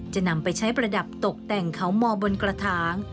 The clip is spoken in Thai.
จะนำไปใช้ประดับตกแต่งเขามอบนกระถาง